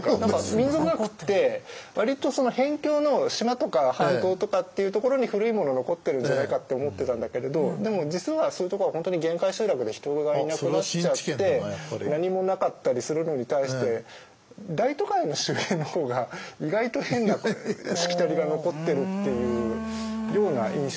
民俗学って割と辺境の島とか半島とかっていうところに古いもの残ってるんじゃないかって思ってたんだけれどでも実はそういうところは本当に限界集落で人がいなくなっちゃって何もなかったりするのに対して大都会の周辺の方が意外と変なしきたりが残ってるっていうような印象